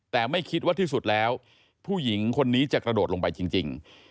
แต่ไม่คิดว่าที่สุดแล้วผู้หญิงคนนี้จะกระโดดลงไปจริง